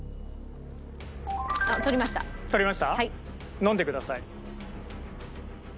飲んでください。